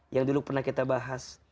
yang dulu pernah kita bahas